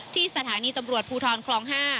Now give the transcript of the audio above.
ที่สถานีตำรวจภูทรคลอง๕